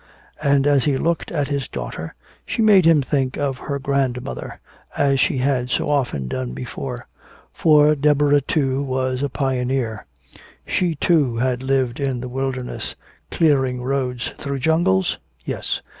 And as he looked at his daughter, she made him think of her grandmother, as she had so often done before. For Deborah, too, was a pioneer. She, too, had lived in the wilderness. Clearing roads through jungles? Yes.